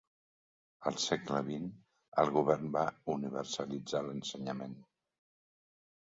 Al segle vint el govern va universalitzar l'ensenyament.